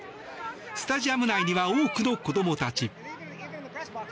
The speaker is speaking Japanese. スタジアム内には多くの子どもたち。